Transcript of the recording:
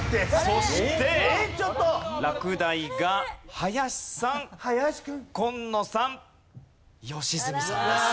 そして落第が林さん紺野さん良純さんです。